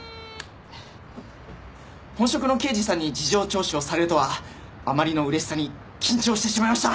本職の刑事さんに事情聴取をされるとはあまりの嬉しさに緊張してしまいました！